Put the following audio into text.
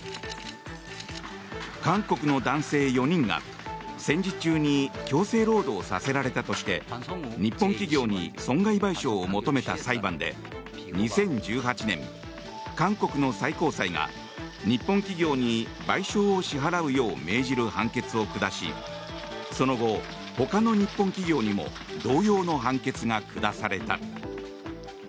韓国の男性４人が戦時中に強制労働させられたとして日本企業に損害賠償を求めた裁判で２０１８年、韓国の最高裁が日本企業に賠償を支払うよう命じる判決を下しその後、ほかの日本企業にも同様の判決が下された。